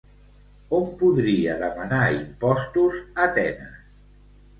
On podria demanar impostos Atenes?